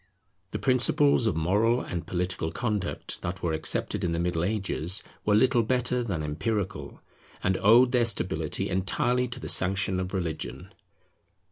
The principles of moral and political conduct that were accepted in the Middle Ages were little better than empirical, and owed their stability entirely to the sanction of religion.